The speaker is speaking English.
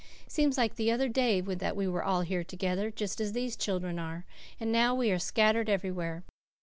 It seems like the other day that we were all here together, just as these children are, and now we are scattered everywhere.